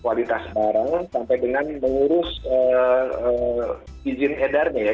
kualitas barang sampai dengan mengurus izin edarnya ya